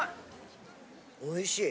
おいしい。